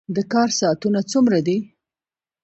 د کار ساعتونه څومره دي؟